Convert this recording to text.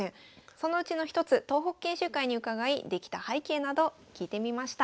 そのうちの一つ東北研修会に伺いできた背景など聞いてみました。